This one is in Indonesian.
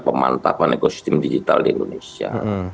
pemantapan ekosistem digital di indonesia